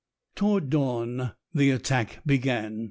Toward dawn the attack began.